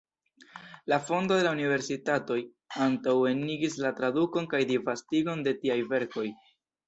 La fondo de universitatoj antaŭenigis la tradukon kaj disvastigon de tiaj verkoj.